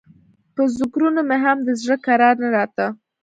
په ذکرونو مې هم د زړه کرار نه راته.